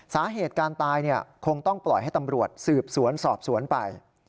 สาเหตุการตายคงต้องปล่อยให้ตำรวจสืบสวนสอบสวนไป